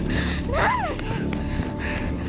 何なの？